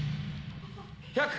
１００！